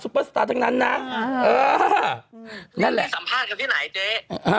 เปอร์สตาร์ทั้งนั้นนะเออนั่นแหละสัมภาษณ์กันที่ไหนเจ๊